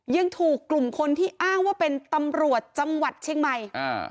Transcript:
ยังถูกกลุ่มคนที่อ้างว่าเป็นตำรวจจังหวัดเชียงใหม่อ่า